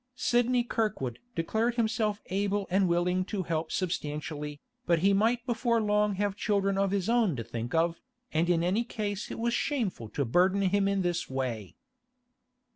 Sidney Kirkwood declared himself able and willing to help substantially, but he might before long have children of his own to think of, and in any case it was shameful to burden him in this way.